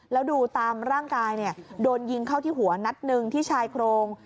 แล้วดูตามร่างกายโดนยิงเข้าที่หัวนัดหนึ่งที่ชายโครง